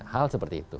hal seperti itu